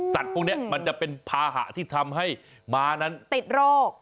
พวกนี้มันจะเป็นภาหะที่ทำให้ม้านั้นติดโรค